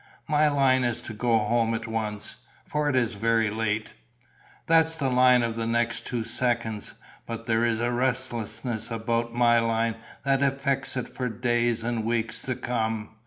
My line is to go home at once, for it's very late." "That's the line of the next two seconds. But there is a restlessness about my line that affects it for days and weeks to come.